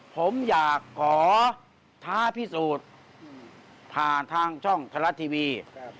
ผมอยากขอท้าพิสูจน์ผ่านทางช่องทะละทีวี